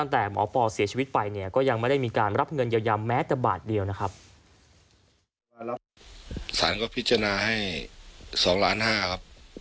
แต่หมอปอเสียชีวิตไปเนี่ยก็ยังไม่ได้มีการรับเงินเยาแม้แต่บาทเดียวนะครับ